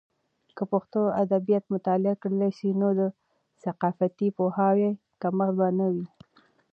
که پښتو ادبیات مطالعه کړل سي، نو د ثقافتي پوهاوي کمښت به نه وي.